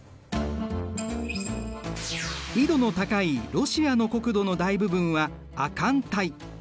緯度の高いロシアの国土の大部分は亜寒帯。